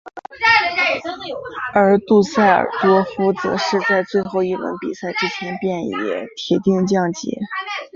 而杜塞尔多夫则是在最后一轮比赛之前便已铁定降级。